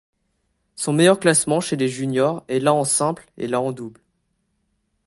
Son meilleur classement chez les junior est la en simple et la en double.